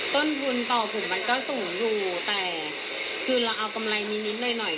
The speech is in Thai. ต้นทุนต่อผมมันก็สูงอยู่แต่คือเราเอากำไรมีนิดหน่อยหน่อย